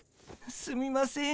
すみません。